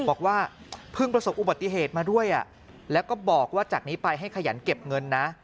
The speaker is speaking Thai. บอกว่าเพิ่งประสบอุบัติเหตุมาด้วยแล้วก็บอกว่าจากนี้ไปให้ขยันเก็บเงินนะ